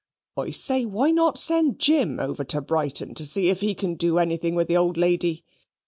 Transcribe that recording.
"I say, why not send Jim over to Brighton to see if he can do anything with the old lady.